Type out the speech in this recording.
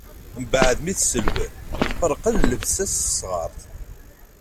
Mbeɛd mi t-ṣellben, ferqen llebsa-s s tesɣart.